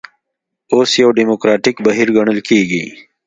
اوس یو ډیموکراتیک بهیر ګڼل کېږي.